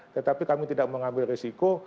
tetapi kami tidak mengambil risiko